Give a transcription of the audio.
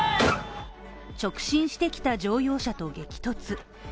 直進してきた乗用車と激突。